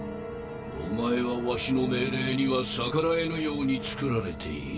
お前はワシの命令には逆らえぬように造られている。